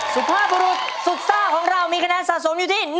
สุภาพบุรุษสุดซ่าของเรามีคะแนนสะสมอยู่ที่